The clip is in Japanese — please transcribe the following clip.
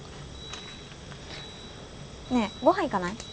ねえご飯行かない？